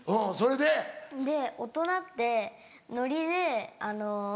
で大人ってノリであの。